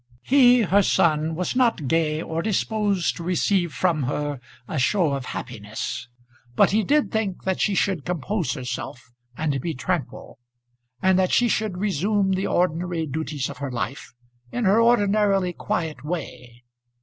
He, her son, was not gay or disposed to receive from her a show of happiness; but he did think that she should compose herself and be tranquil, and that she should resume the ordinary duties of her life in her ordinarily quiet way.